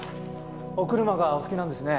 お車がお好きなんですね。